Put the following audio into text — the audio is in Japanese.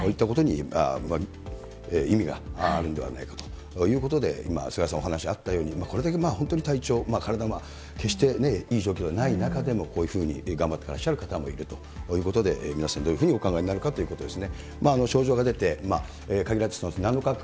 しかしながらやっぱり国民に選ばれた、そして国会に登院するということに意味があるんではないかということで、今、菅原さんお話あったようにこれだけ本当に、体調、体も決していい状況ではない中でもこういうふうに頑張ってらっしゃる方もいるということで、皆さんどういうふうにお考えになるかということですね。